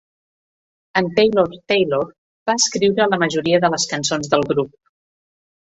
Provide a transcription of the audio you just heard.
En Taylor-Taylor va escriure la majoria de les cançons del grup.